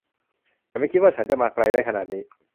ฉันไม่คิดว่าฉันจะมาไกลได้ขนาดนี้